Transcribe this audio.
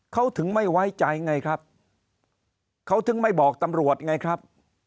เขาถึงไม่ไว้ใจไงครับเขาถึงไม่บอกตำรวจไงครับ